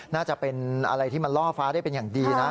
น่าจะเป็นอะไรที่มันล่อฟ้าได้เป็นอย่างดีนะ